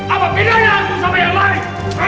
apa bedanya satu sama yang lain